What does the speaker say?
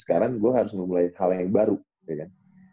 sekarang gue harus memulai hal yang baru gitu kan